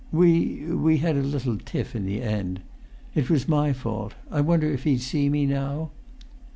[Pg 337]"We—we had a little tiff in the end. It was my fault. I wonder if he'd see me now?"